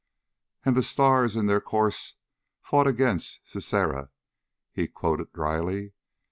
"And the stars in their courses fought against Sisera," he quoted dryly.